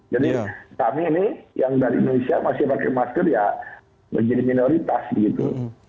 jadi kami ini yang dari indonesia masih pakai masker ya menjadi minoritas gitu